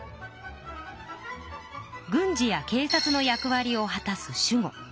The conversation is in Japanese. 軍事やけい察の役わりを果たす守護。